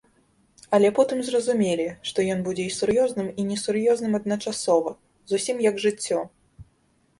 Але потым зразумелі, што ён будзе і сур'ёзным, і несур'ёзным адначасова, зусім як жыццё.